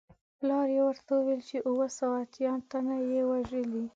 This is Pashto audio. پلار یې ورته وویل چې اووه سوه اتیا تنه یې وژلي.